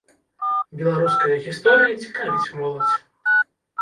Беларуская гісторыя цікавіць моладзь.